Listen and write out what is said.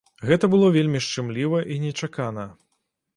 Гэта было вельмі шчымліва і нечакана.